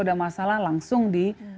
ada masalah langsung di